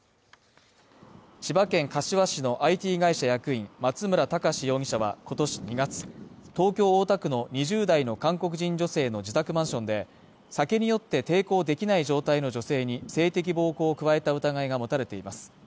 千葉県柏市のＩＴ会社役員松村隆史容疑者は今年２月、東京大田区の２０代の韓国人女性の自宅マンションで、酒に酔って抵抗できない状態の女性に性的暴行を加えた疑いが持たれています。